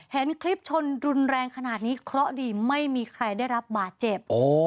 เห็นคลิปชนรุนแรงขนาดนี้เคราะห์ดีไม่มีใครได้รับบาดเจ็บ